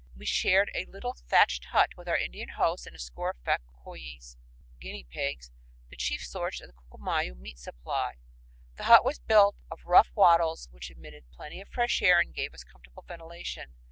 We shared a little thatched hut with our Indian hosts and a score of fat cuys (guinea pigs), the chief source of the Ccllumayu meat supply. The hut was built of rough wattles which admitted plenty of fresh air and gave us comfortable ventilation.